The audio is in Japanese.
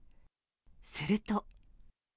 すると。